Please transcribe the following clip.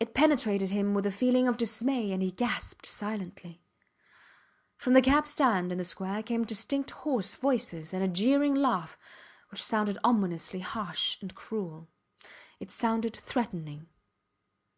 It penetrated him with a feeling of dismay and he gasped silently. From the cab stand in the square came distinct hoarse voices and a jeering laugh which sounded ominously harsh and cruel. It sounded threatening.